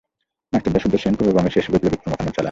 মাস্টারদা সূর্যসেন পূর্ববঙ্গে শেষ বৈপ্লবিক কর্মকান্ড চালান।